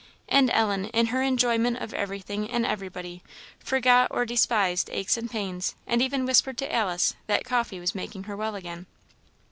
And Ellen, in her enjoyment of everything and everybody, forgot or despised aches and pains, and even whispered to Alice that coffee was making her well again.